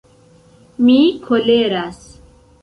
Mi koleras.